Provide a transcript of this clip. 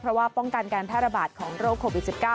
เพราะว่าป้องกันการแพร่ระบาดของโรคโควิด๑๙